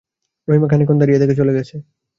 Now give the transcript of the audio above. রহিমা খানিকক্ষণ দাঁড়িয়ে থেকে চলে গেছে।